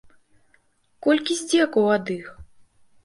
Колькі здзекаў ад іх?!